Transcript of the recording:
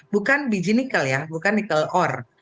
bukan biji nikel ya bukan nikel ore